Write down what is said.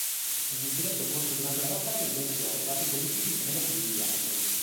Un incidente occorso durante la battaglia evidenziò lati positivi e negativi di Alten.